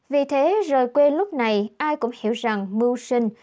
vì thế rời quê lúc này ai cũng hiểu rằng mưu sinh